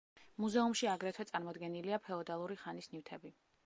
მუზეუმში აგრეთვე წარმოდგენილია ფეოდალური ხანის ნივთები.